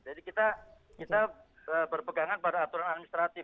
jadi kita berpegangan pada aturan administrasi